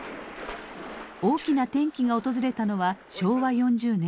大きな転機が訪れたのは昭和４０年。